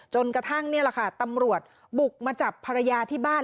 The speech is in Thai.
จนกระทั่งนี่แหละค่ะตำรวจบุกมาจับภรรยาที่บ้าน